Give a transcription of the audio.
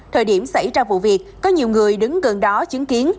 thời điểm xảy ra vụ việc có nhiều người đứng gần đó chứng kiến